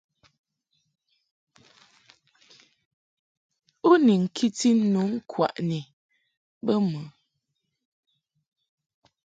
U ni nkiti nu ŋkwaʼni bə mɨ ?